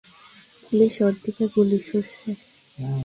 Police ওর দিকে গুলি ছুড়ছে।